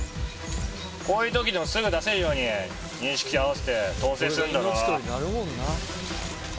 こういうときでもすぐ出せるように認識合わせて統制すんだろ？